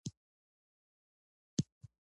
• د ورځې سکون د پاک زړه نښه ده.